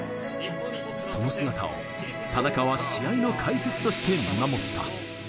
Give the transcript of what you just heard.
その姿を田中は試合の解説として見守った。